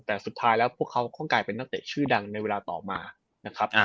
แต่สุดท้ายแล้วพวกเขาคงกลายเป็นนักเตะชื่อดังในเวลาต่อมานะครับ